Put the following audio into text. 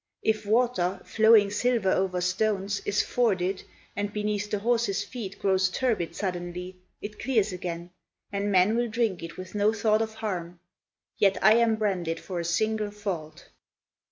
If water, flowing silver over stones, Is forded, and beneath the horses' feet Grows turbid suddenly, it clears again, And men will drink it with no thought of harm. Yet I am branded for a single fault.